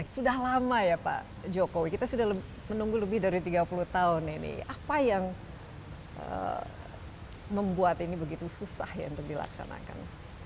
sudah lama ya pak jokowi kita sudah menunggu lebih dari tiga puluh tahun ini apa yang membuat ini begitu susah ya untuk dilaksanakan